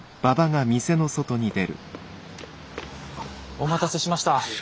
お待たせしました。